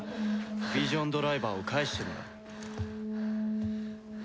ヴィジョンドライバーを返してもらう。